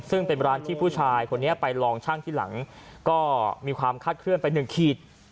ซึ่งเป็นร้านที่ผู้ชายคนนี้ไปลองชั่งที่หลังก็มีความคาดเคลื่อนไปหนึ่งขีด